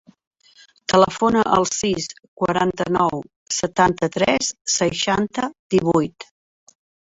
Telefona al sis, quaranta-nou, setanta-tres, seixanta, divuit.